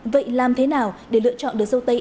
vậy làm thế nào để lựa chọn được sầu tây